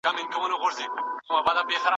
پاچاهان خپل واک الهي باله.